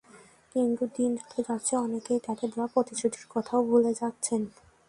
কিন্তু দিন যতই যাচ্ছে, অনেকেই তাঁদের দেওয়া প্রতিশ্রুতির কথাও ভুলে যাচ্ছেন।